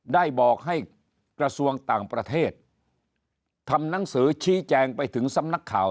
ได้บอกให้กระทรวงต่างประเทศทำหนังสือชี้แจงไปถึงสำนักข่าว